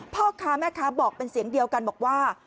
พ่อค้าแม่ค้าบอกเป็นเสียงเดียวกันบอกว่า